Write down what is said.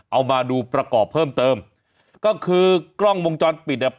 เอามาดูประกอบเพิ่มเติมก็คือกล้องวงจรปิดเนี่ย